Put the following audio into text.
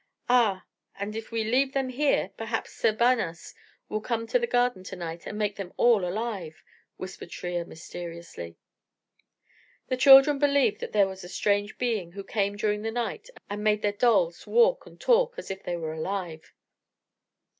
"Ah, and if we leave them here, perhaps 'Sir Banas' will come to the garden to night and make them all alive," whispered little Shriya, mysteriously. The children believed that there was a strange being who came during the night and made their dolls walk and talk as if they were alive.